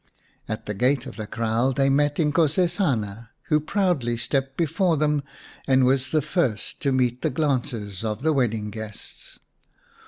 At the gate of the kraal they met Inkosesana, 148 xii Baboon Skins who proudly stepped before them and was the first to meet the glances of the wedding guests.